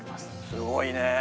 すごいね！